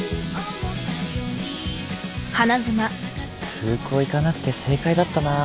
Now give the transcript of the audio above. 空港行かなくて正解だったな